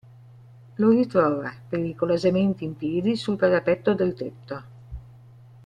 Lo ritrova, pericolosamente in piedi sul parapetto del tetto.